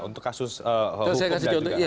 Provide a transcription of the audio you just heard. untuk kasus hukum